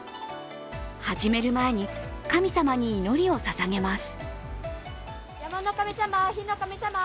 始める前に神様に祈りをささげます。